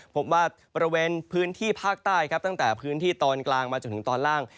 พบว่าบริเวณพื้นที่ภาคใต้ครับตั้งแต่พื้นที่ตอนกลางมาจนถึงตอนล่าง